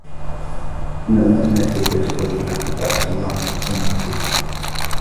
إِنَّا أَنْزَلْنَا إِلَيْكَ الْكِتَابَ بِالْحَقِّ فَاعْبُدِ اللَّهَ مُخْلِصًا لَهُ الدِّينَ